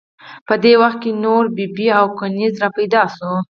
په دې وخت کې نورې بي بي او کنیزې را پیدا شوې.